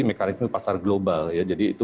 mekanisme pasar global ya jadi itu